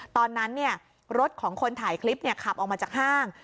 ตอนนั้นเนี่ยรถของคนถ่ายคลิปเนี่ยขับออกมาจากห้าง